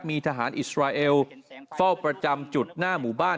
มีทหารอิสราเอลเฝ้าประจำจุดหน้าหมู่บ้าน